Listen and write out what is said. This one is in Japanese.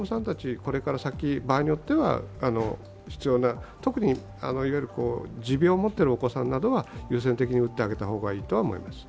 これから先、場合によっては必要な、特にいわゆる持病を持っているお子さんなどは優先的に打ってあげた方がいいとは思います。